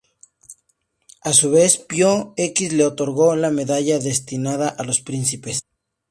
A su vez, Pío X le otorgó la medalla destinada a los príncipes.